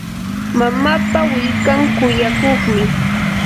mamapa willkan kuyakuqmi.